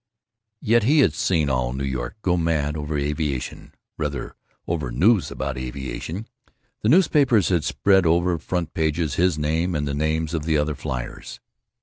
Yet he had seen all New York go mad over aviation—rather, over news about aviation. The newspapers had spread over front pages his name and the names of the other fliers.